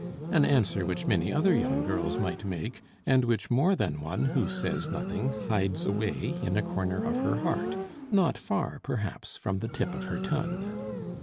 An answer which many other young girls might make, and which more than one who says nothing hides away in a corner of her heart, not far perhaps from the tip of her tongue.